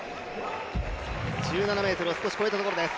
１７ｍを少し超えたところです。